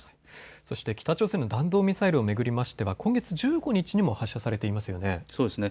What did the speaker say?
そして北朝鮮の弾道ミサイルを巡っては今月１５日にも発射されていますね。